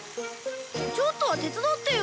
ちょっとは手伝ってよ。